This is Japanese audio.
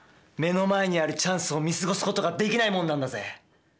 目の前にあるチャンスを見過ごすことができないもんなんだぜ。